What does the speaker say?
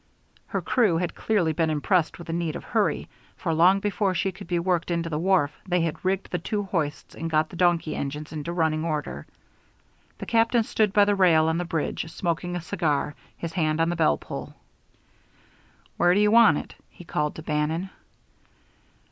Her crew had clearly been impressed with the need of hurry, for long before she could be worked into the wharf they had rigged the two hoists and got the donkey engines into running order. The captain stood by the rail on the bridge, smoking a cigar, his hand on the bell pull. "Where do you want it?" he called to Bannon.